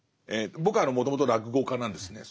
僕はもともと落語家なんですね。